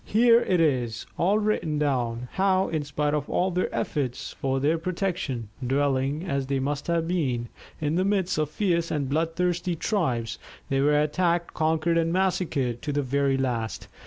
Here it is, all written down, how, in spite of all their efforts for their protection, dwelling, as they must have been, in the midst of fierce and bloodthirsty tribes, they were attacked, conquered, and massacred to the very last.